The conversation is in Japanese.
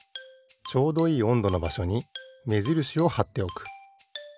ちょうどいいおんどのばしょにめじるしをはっておく。